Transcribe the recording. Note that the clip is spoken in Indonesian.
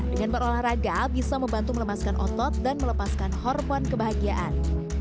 dengan berolahraga bisa membantu melemaskan otot dan melepaskan hormon kebahagiaan